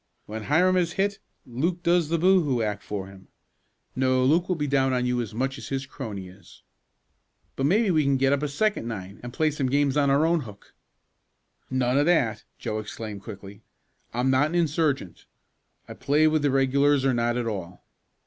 When Hiram is hit Luke does the boo hoo act for him. No, Luke will be down on you as much as his crony is. But maybe we can get up a second nine, and play some games on our own hook!" "None of that!" Joe exclaimed quickly. "I'm not an insurgent. I play with the regulars or not at all.